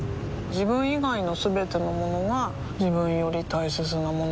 自分以外のすべてのものが自分より大切なものだと思いたい